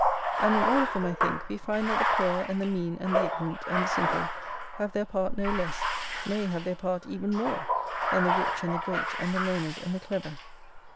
And in all of them, I think, we find that the poor and the mean and the ignorant and the simple have their part no less — nay, have their part even more — than the rich and the great and the learned and the clever.